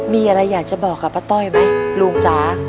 มีอะไรอยากจะบอกกับป้าต้อยไหมลุงจ๋า